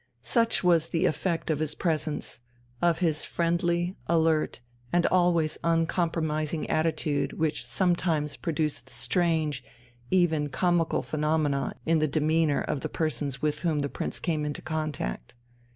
Such was the effect of his presence, of his friendly, alert, and always uncompromising attitude which sometimes produced strange, even comical phenomena in the demeanour of the persons with whom the Prince came into contact.